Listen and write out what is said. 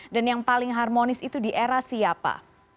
dan yang paling harmonis itu di era siapa